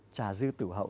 trà dư tử hậu